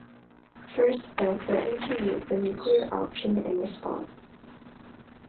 Frist then threatened to use the nuclear option in response.